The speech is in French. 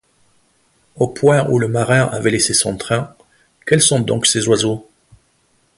Au point où le marin avait laissé son train « Quels sont donc ces oiseaux ?..